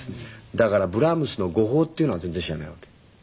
だからブラームスの語法っていうのは全然知らないわけ。